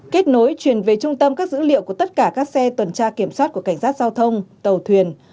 kết nối truyền về trung tâm các dữ liệu của tất cả các xe tuần tra kiểm soát của cảnh sát giao thông tàu thuyền